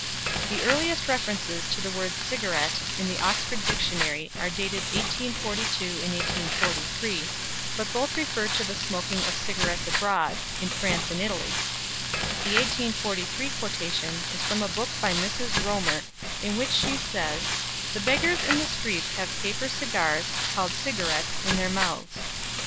The earliest references for the word "cigarette" in the Oxford Dictionary are dated 1842 and 1843, but both refer to the smoking of cigarettes abroad in France and Italy. The 1843 quotation is from a book by Mrs. Romer, in which she says "The beggars in the streets have paper cigars (called cigarettes) in their mouths."